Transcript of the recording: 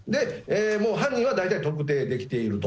もう犯人は大体特定できていると。